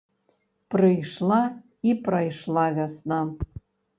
Прыйшла і прайшла вясна.